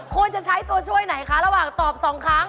ควรจะใช้ตัวช่วยไหนคะระหว่างตอบ๒ครั้ง